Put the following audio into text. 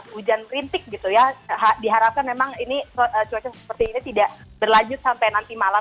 hujan rintik gitu ya diharapkan memang ini cuaca seperti ini tidak berlanjut sampai nanti malam